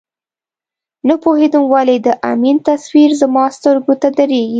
نه پوهېدم ولې د امین تصویر زما سترګو ته درېږي.